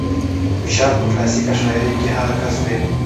خوشال په کلاسيکه شاعرۍ کې هغه کس دى